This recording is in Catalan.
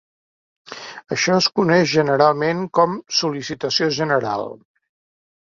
Això és coneix generalment com "sol·licitació general".